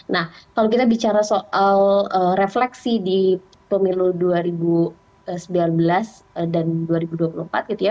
nah kalau kita bicara soal refleksi di pemilu dua ribu sembilan belas dan dua ribu dua puluh empat gitu ya